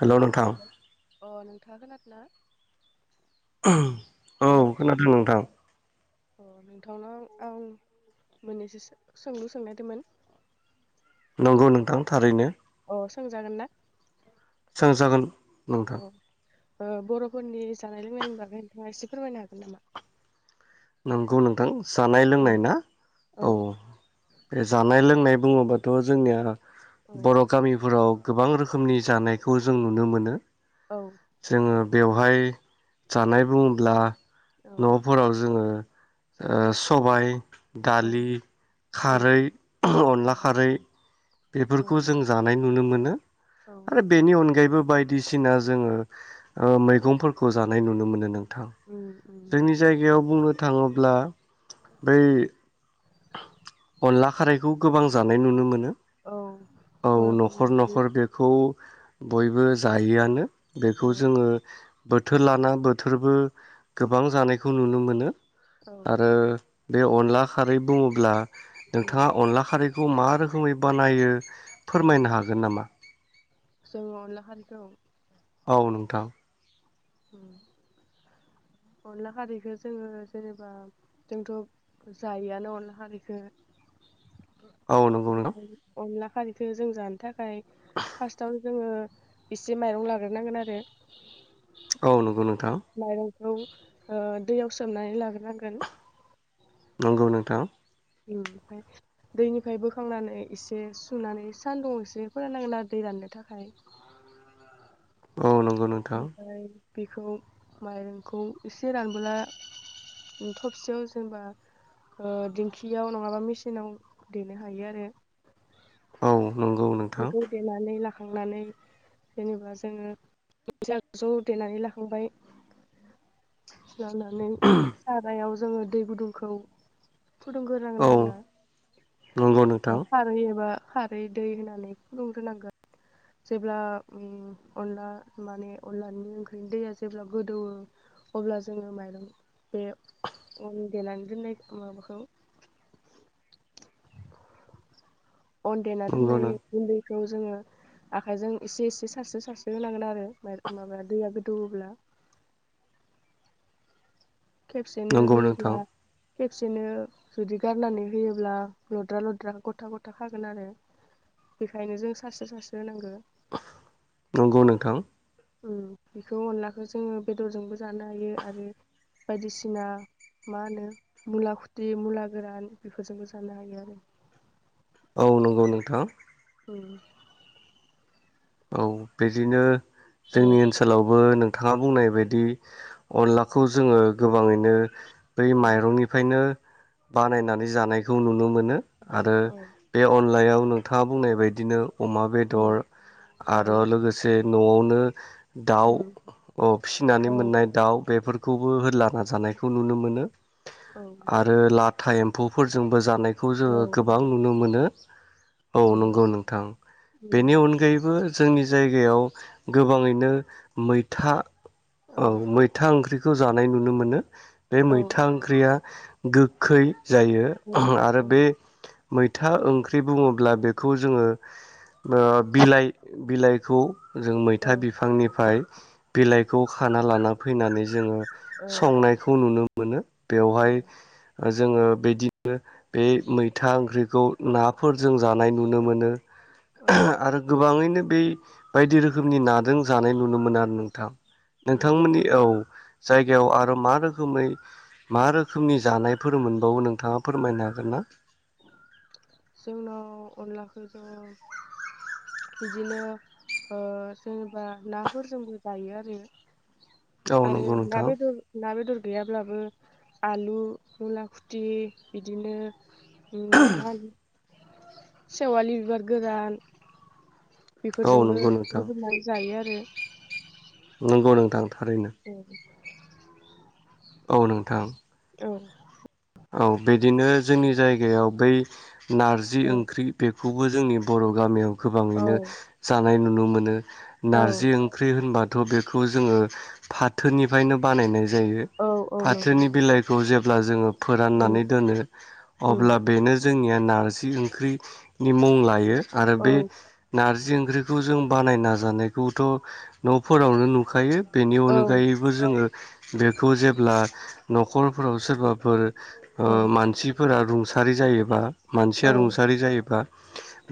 हेल' नोंथां हेलौ अ नोंथाङा खोनादों ना? हेलौ औ खोनादों नोंथां। अ नोंथांनाव आं मोननैसो सोंलु सोंनायदोंमोन नंगौ नोंथां थारैनो। औ सोंजागोन ना? सोंजागोन। औ नोंथां बर'फोरनि जानाय लोंनायनि बागै नोंथाङा एसे फोरमायनो हागोन नामा? नंगौ नोंथां। जानाय लोंनाय औ ना औ बे जानाय लोंनाय बुंनाय बुङोबाथ' जोंनिया बर' गामिफोराव गोबां रोखोमनि जानायखौ जों नुनो मोनो औ जोङो बेवहाय जानाय बुङोब्ला न' फोराव आङो सबाय औ दालि उम खारै अनला खारै औ बेफोरखौ जों जानाय नुनो मोनो औ आरो बेनि अनगायैबो बाय बायदिसिना जोङो मैगंफोरखौ जानाय नुनो मोनो नों थां उम उम जोंनि जायगायाव बुंनो थाङोब्ला बै अनला खारैखौ गोबां जानाय नुनो मोनो औ औ बर'फोरनि न'खर ओंख्रि न'खर बेखौ बयबो जायोआनो औ बेखौ जोङो बोथोर लाना बोथोरबो गोबां जानायखौ नुनो मोनो नो औ आरो बे अनला खारै बुङोब्ला उम नोंथाङा अनला खारै बेखौ मा रोखोमै बानायो औ फोरमायनो हागोन नामा? जोङो अनला खारिखौ औ नोंथां ओम अनला खारैखौ जोङो जेनेबा जोंथ' जायोआनो अनला खारैखो औ नंगौ नोंथां अनला खारिखो जों जानो थाखाय फार्स्टआव जोङो एसे माइरं लाग्रोनांगोन आरो औ नंगौ नोंथां खौ दैयाव सोमनानै लाग्रोनांगोन नंगौ नोंथां ओमफ्राय दैनिफ्राय बोखांनानै एसे सुनानै सान्दुं एसे फोराननांगोन आरो दै राननो थाखाय औ नंगौ नोंथां ओमफ्राय बेखौ माइरंखौ एसे रानबोला थबसेयाव जेनेबा दिंखियाव नङाबा मेचिनाव देनो हायो आरो औ नंगौ नोंथां। खांनानै जेनेबा जोङो [unintelligible] ज देनानै लाखांबाय। लानानै सारायाव जों जोङो दै गुदुंखौ फुदुंग्रोनांगोन औ आरो ना नंगौ नोंथां खारदै एबा खारै दै होना होनानै फुदुंग्रोनांगोन जेब्ला अनला माने अनलानि ओंख्रिनि दैया जेब्ला गोदौवो अब्ला जोङो माइरं बे अन देनानै दोननाय माबाखौ अन देना नंगौ दोननाय‌ नों गुन्दै खौ जोङो आखायजों एसे एसे सारस्रो सारस्रो होनांगोन आरो माबाया दैया गोदौवोब्ला। खेबसेनो नंगौ नोंथां होयोब्ला खेबसेनो जुदि गारनानै होयोब्ला लद्रा लद्रा गथा गथा खागोन आरो बेखायनो जों सारस्रो-सारस्रो होनांगौ। नंगौ नोंथां। उह बेखौ अनलाखौ जोङो बेदरजोंबो जानो हायो आरो बायदिसिना मा होनो मुला खुथि मुला गोरान बेफोरजोंबो जानो हायो आरो। औ नंगौ नोंथां। उह औ बिदिनो जोंनि ओनसोलावबो नों नोंथाङा बुंनाय बायदि अनलाखौ जोङो गोबाङैनो माइ औ माइरंनिफ्रायनो बानायनानै जानायखौ नुनो मोनो। आरो औ बे अनलायाव नोंथाङा बुंनाय बायदिनो अमा बेदर आरो लोगोसे बे न'आवनो दाउ उम अ औ फिसिनानै मोननाय दाउ बेफोरखौ बे खौबो हाला नाजानायखौ नुनो मोनो। उम आरो लाथा लाथा एम्फौफोरजोंबो जानाय बेखौ औ जोङो गोबां नुनो मोनो औ उम नंगौ नोंथां बेनि उम अनगायैबो जोंनि जायगायाव गोबाङैनो मैथा औ मैथा ओंख्रिखौ खौ जानाय नुनो मोनो। बे औ मैथा ओंख्रिया गोखै। जायो आरो बे। मैथा ओंख्रि बुङोब्ला बेखौ जोङो ओ बिलाइ बिलाइखौ जों औ मैथा बिफांनिफ्राय बिलाइखौ खाना लाना फैनानै जोङो संनायखौ नुनो मोनो। औ बेवहाय जोङो बेदिनो बे मैथा ओंख्रिखौ नाफोर जों जानाय नुनो मोनो। औ आरो गोबाङैनो बे बायदि रोखोमनि नाजों जानाय नुनो मोनो आरो नोंथां। उम नोंथांमोननि उम औ। जायगायाव आरो मा रोखोमै मा रोखोमनि जानायफोर मोनबावो नोंथाङा फोरमायनो हागोन ना? जोंनाव अनलाखौ ज' बिदिनो ओ जेनेबा नाफोरजोंबो जायो आरो। औ आरो नंगौ ना नोंथां बेदर ना बेदर गैयाब्लाबो आलु, मुला खुथि बिदिनो [unintelligible] सेवालि बिबार गोरान औ बेफोरजोंबो नंगौ नोंथां रुदोमनानै जायो आरो। [unintelligible] नंगौ नोंथां। थारैनो औ। औ नोंथां। औ। औ बिदिनो जोंनि जायगायाव बै नारजि ओंख्रि बे खौवबो जोंनि बर' गामियाव औ गोबाङैनो जानाय नुनो मोनो औ नारजि ओंख्रि होनबा थ' बेखौ जोङो फाथोनिफ्रायनो बानायनाय ज जायो औ औ नंगौ फाथोनि बिलाइखौ जेब अब्ला जोङो उम फोराननानै दोनो उम अब्ला बेनो जोंनिया नारजि ओंख्रिनि मुं लायो। आरो औ बे नारजि ओंख्रिखौ जों बानायना जानायखौथ' न'फोरावनो नुखायो बेनि औ अनगायैबो जोङो बेखौ जेब्ला न'खरफोराव सोरबाफोर ओ औ मानसिफोरा रुं सारि जायोबा मानसिया औ रुंसारि जायोबा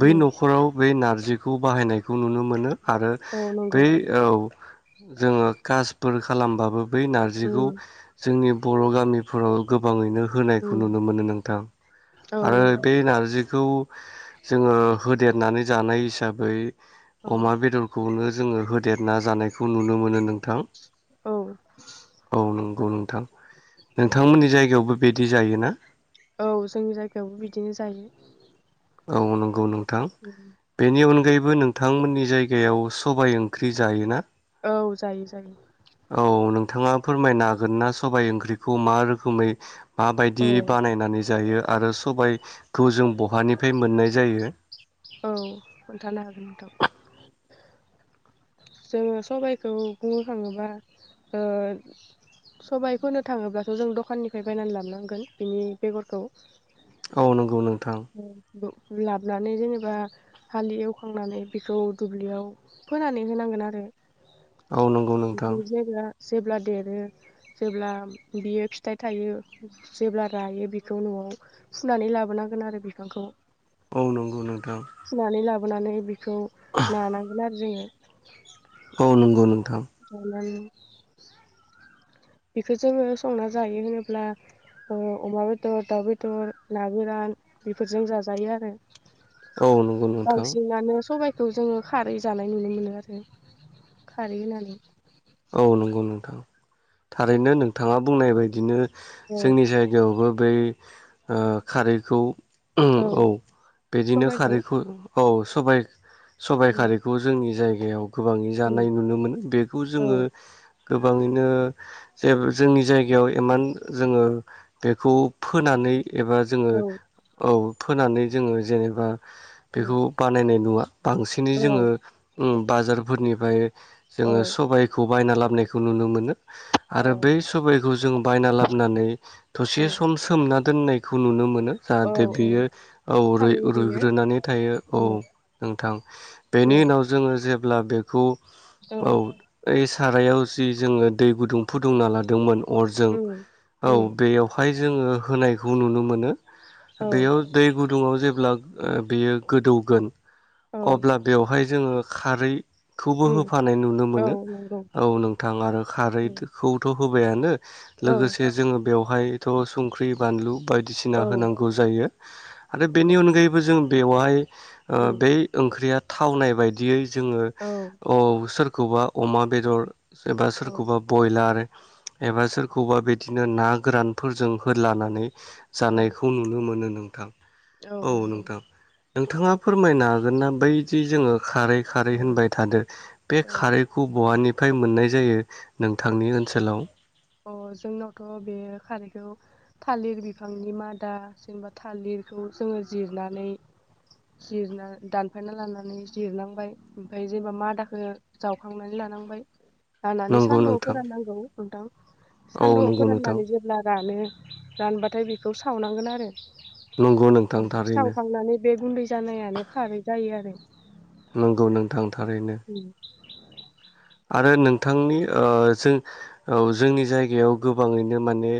बै उम न'खराव बे नार बिखौ बाहायनायखौ नुनो मोनो। आरो औ नंगौ दै औ जोङो कास फोर खालामबाबो बै नारजिखौ उम जोंनि बर' गामि फोराव गोब बाङैनो होनायखौ उम नुनो मोनो नोंथां औ आरो नंगौ बे नारजि खौ जोङो होदेरनानै जानाय हिसाबै औ अमा बेदरखौनो जोङो होदेरना जानायखौ नुनो मोनो नों नथां औ औ नों उम थां उम नोंथांमोननि जाय बिदि जायोना औ जोंनि जायगायावबो बिदिनो जायो। औ नंगौ नं थां उम बेनि अनगायै बो नोंथांमोननि जायगायाव सबाय ओंख्रि जायोना? औ जायो जायो। थाङा फोरमायनो हागोन ना सबाय ओंख्रिखौ मा रोखोमै माबायदि औ बानायनानै जायो आरो सबायखौ जों बहानि फ्राय मोननाय जायो। औ खोन्थानो हागोन नोंथां। जोङो सबायखौ बुङो थाङोबा ओ सबाय फोनो थाङोब्लाथ' जों दखाननिफ्राय बायनानै लाबोनांगोन बिनि बेगरखौ औ नंगौ नों औ नंगौ लाबनै जेनेबा हालि एवखांनानै बेखौ दुब्लियाव फोनानै होनांगोन आरो औ नंगौ नोंथां बेखौ जेब्ला जेब्ला देरो जेब्ला बियो फिथाइ थायो जेब्ला रायो बेखौ न'आव फुनानै लाबोनांगोन आरो। बिफांखौ औ नंगौ नोंथां। [unintelligible] [unintelligible] खौ लानांगोन आरो जोङो। औ नंगौ नंगौ। [unintelligible] बेखौ जोङो संना जायो होनोब्ला ओ अमा बेदर, दाउ बेदर, ना गोरान बेफोरजों जाजायो आरो। औ नंगौ नोंथां। बेखौ जोङो खारै जानाय नुनो मोनो आरो खारै होननानै औ नंगौ नोंथां। थारैनो नोंथाङा बुंनाय बायदिनो औ जोंनि जायगायावबो बै ओ खारैखौ ओम औ बिदिनो सबाइखौ खारैखौ औ सबाय सबाइ उम खारैखौ जोंनि जायगायाव [unintelligible] गोबाङै उम जानाय नुनो मोनो बेखौ औ जोङो गोबाङैनो जे जोंनि जायगायाव इमान जोङो बेखौ फोनानै एबा जोङो औ औ फोनानै जोङो जेनेबा उम बेखौ बानायनाय नुवा बांसिनै औ जोङो ओम बाजारफोरनिफ्राय औ जोङो सबाय [unintelligible] लाबोनायखौ नुनो मोनो। औ आरो बै सबायखौ जों बायना लाबोनानै औ दसे सम सोमना दोननायखौ नुनो मोनो। औ जाहाथे बियो औ औ थाबैनो रुयो रुइ-रुइग्रोनानै थायो औ उम नोंथां औ बेनि उनाव जोङो जे अब्ला बेखौ औ बे सारायाव जि जोङो दै गुदुं फुदुंना लादों [unintelligible] अरजों उम औ उम बेयावहाय जोङो होनायखौ नुनो मोनो। औ बेयाव दै गुद दुङाव जेब्ला बेयो गोदौगोन औ अब्ला बेवहाय जोङो खारै खौबो उम होफानाय नुनो औ मोनो। नंगौ औ नोंथां आरो खारै उम तो खौथ' होबायानो औ लोगोसे जोङो बेव हायथ' संख्रि बानलु बाय दिसिना औ होनांगौ जायो। आरो बेनि नंगौ अनगायैबो जों बेवहाय ओ उम बे ओंख्रिया थावनाय बायदियै जोङो औ अ सोर खौबा अमा बेदर सोरबा औ सोरखौबा बयलार एबा सोरखौबा बिदिनो ना गोरानफोरजों होद्लानानै औ जानायखौ नुनो मोनो नों नोंथां। औ नंगौ। नोंथाङा फोरमायनो हागोन ना बैदि जोङो खारै खारै औ होनबाय थादो बे औ खारै औवानिफ्राय मोननाय जायो। नोंथांनि ओनसोलाव अ जोंनावथ' बे खारैखौ थालिर बिफांनि मादा जेनेबा थालिरखौ जोङो जिरनानै जिरना दानफायना लानानै जिरनांबाय ओमफाय जेनेबा मादाखो जावखांनानै लानांबाय लानानै नंगौ सान्दुंङाव नोंथां फोराननांगौ। नोंथां। औ सान्दुंङाव नंगौ नोंथां फोराननानै जेब्ला रानो रानबाथाय बेखौ सावनांगोन आरो। नंगौ नोंथां थारैनो सावखांनानै बे गुन्दै जानायानो खारै जायो आरो। नंगौ नोंथां। थारैनो। आरो नोंथांनि ओ जों औ जोंनि जायगायाव गोबाङैनो माने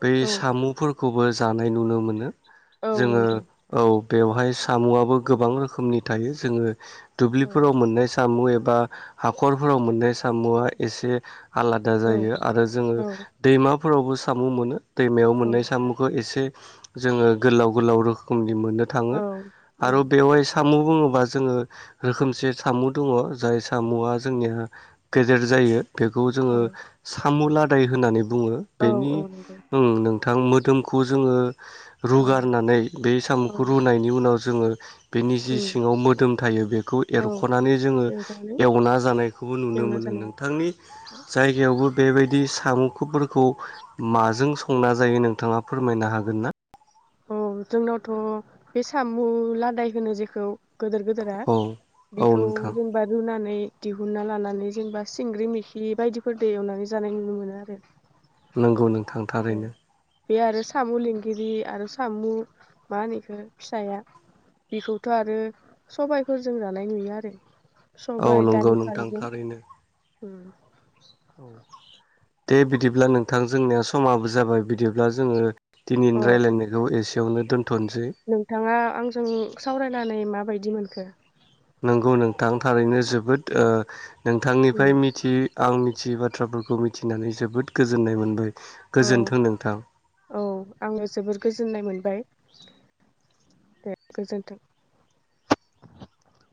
बै औ सामुफोर खौबो जानाय नुनो मोनो। औ जोङो नंगौ औ बेवहाय सामुवाबो गोबां रोखोमनि थायो जोङो औ दुब्लिफोराव मोननाय सामु एबा हाखर फोराव मोननाय सामुआ एसे आलादा औ जायो आरो जोङो औ दैमा फोरावबो सामु मोनो दैमायाव औ मोननाय सामुखो एसे जोङो गोलाव गोलाव रोखोमनि मोननो थाङो औ आरो बेवहाय सामु बुङोबा जोङो रोखोमसे सामु दङ जाय सामुआ जोंनिया गेदेर जायो बेखौ जोङो औ सामुलादाय होननानै बुङो औ बेनि औ नंगौ ओं नोंथां मोदोम खौ जोङो औ रुगारनानै बे सामुखौ औ रुनायनि उनाव जोङो बेनि जि उम सिङाव मोदोम थायो बेखौ औ एरख'नानै जोङो बेखौनो एवना खौबो नुनो एवना मोनो जानाय नोंथांनि जायगायाव बेबायदि सामु खौ माजों संना जायो नोंथाङा फोरमायनो हागोन ना? औ जोंनावथ' बे सामु लादाय होनो जेखौ गोदोर गोेदोरा औ औ बिखौ नोंथां जेनबा रुनानै दिहुनना लानानै जेनबा सिंग्रि मेखि बायदिफोरदो एवनानै जानाय नुनो मोनो आरो नंगौ नों थां औ थारैनो बे आरो सामु लिंगिरि आरो सामु मा होनो इखो फिसाया बिखौथ' आरो सबाइफोरजों जानाय नुयो आरो औ सबाय नंगौ दालि नोंथां खारैजों थारैनो उम औ दे बिदिब्ला नोंथां जोंनिया समाबो जाबाय बिदिब्ला जोङो अ दिनैनि रायलायनायखौ एसेयावनो दोन नोंथाङा आंजों सावरायनानै माबायदि मोन खो नंगौ नोंथां थारैनो जोबोद ओ नोंथां निफ्राय उम मिथि आं मिथियि बाथ्रा फोरखौ मिथिनानै जोबोद गोजोननाय मोनबाय। औ गोजोन्थों नोंथां औ आङो जोबोर गोजोननाय मोनबाय। दे गोजोनथों [inaudible]